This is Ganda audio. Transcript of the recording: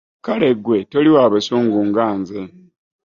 Kale gwe toli wa busungu nga nze.